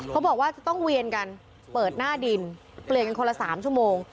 เขาบอกว่าจะต้องเวียนกันเปิดหน้าดินเปลี่ยนกันคนละ๓ชั่วโมง